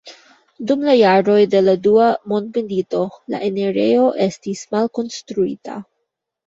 Dum la jaroj de la dua mondmilito la enirejo estis malkonstruita.